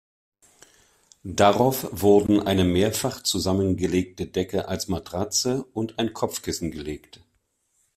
Darauf wurden eine mehrfach zusammengelegte Decke als Matratze und ein Kopfkissen gelegt.